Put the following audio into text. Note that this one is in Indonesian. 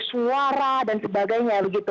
suara dan sebagainya